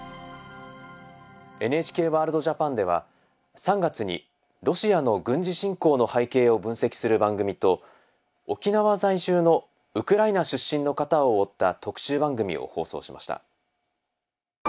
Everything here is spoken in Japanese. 「ＮＨＫワールドＪＡＰＡＮ」では３月にロシアの軍事侵攻の背景を分析する番組と沖縄在住のウクライナ出身の方を追った特集番組を放送しました。